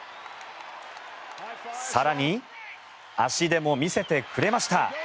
更に足でも見せてくれました。